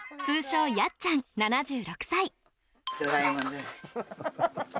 通称やっちゃん、７６歳。